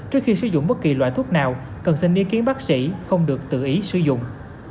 trước khi sử dụng bất kỳ loại thuốc nào cần xin ý kiến bác sĩ không được tự ý sử dụng